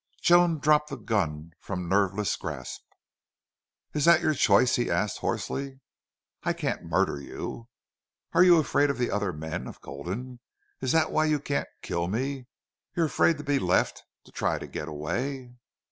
Joan dropped the gun from nerveless grasp. "Is that your choice?" he asked hoarsely. "I can't murder you!" "Are you afraid of the other men of Gulden? Is that why you can't kill me? You're afraid to be left to try to get away?"